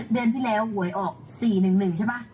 เดือนที่แล้วหวยออก๔๑๑ใช่ป่ะ